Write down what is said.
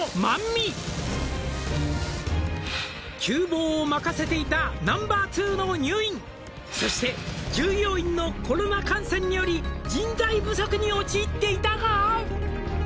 「厨房を任せていたナンバー２の入院」「そして従業員のコロナ感染により」「人材不足に陥っていたが」